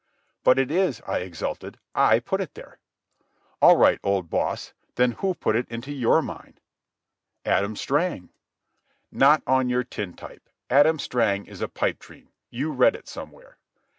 "But it is," I exulted. "I put it there." "All right, old boss. Then who put it into your mind?" "Adam Strang." "Not on your tintype. Adam Strang is a pipe dream. You read it somewhere."